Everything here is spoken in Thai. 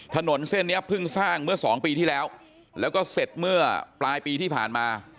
ถนนเส้นนี้เพิ่งสร้างเมื่อสองปีที่แล้วแล้วก็เสร็จเมื่อปลายปีที่ผ่านมา